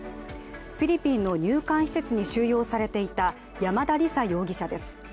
フィリピンの入管施設に収容されていた山田李沙容疑者です。